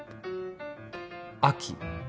秋。